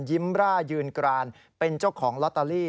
ร่ายืนกรานเป็นเจ้าของลอตเตอรี่